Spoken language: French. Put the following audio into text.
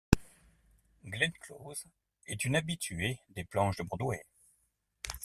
Glenn Close est une habituée des planches de Broadway.